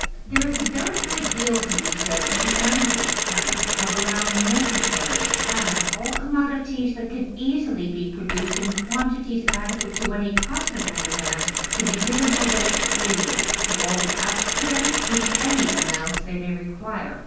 There is a very great deal to be said for the Anarchist plan of allowing necessaries, and all commodities that can easily be produced in quantities adequate to any possible demand, to be given away freely to all who ask for them, in any amounts they may require.